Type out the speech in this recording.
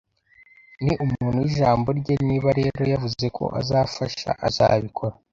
Ni umuntu wijambo rye, niba rero yavuze ko azafasha, azabikora